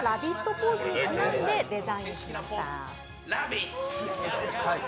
ポーズにちなんでデザインしました。